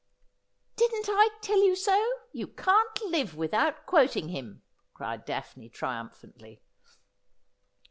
' Didn't I tell you so ? You can't live without quoting him,' cried Daphne triumphantly.